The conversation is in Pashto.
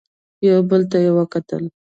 يو بل ته يې وکتل.